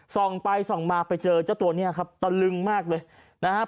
ส่องไปส่องมาไปเจอเจ้าตัวนี้ครับตะลึงมากเลยนะครับ